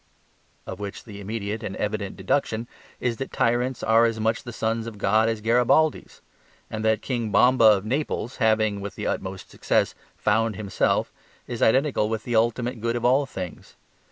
Of which the immediate and evident deduction is that tyrants are as much the sons of God as Garibaldis; and that King Bomba of Naples having, with the utmost success, "found himself" is identical with the ultimate good in all things.